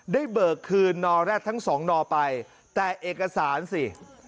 เบิกคืนนอแร็ดทั้งสองนอไปแต่เอกสารสิ